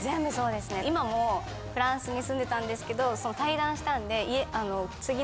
今もフランスに住んでたんですけど退団したんで。